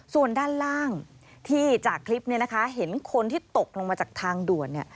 ส่วนด้านล่างที่จากคลิปนี้นะคะเห็นคนที่ตกลงมาจากทางด่วน